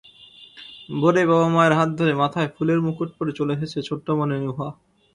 ভোরে বাবা-মায়ের হাত ধরে মাথায় ফুলের মুকুট পরে চলে এসেছে ছোট্টমণি নুহা।